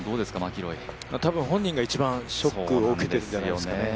多分、本人が一番ショックを受けているんじゃないでしょうかね。